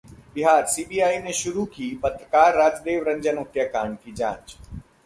बिहारः CBI ने शुरू की पत्रकार राजदेव रंजन हत्याकांड की जांच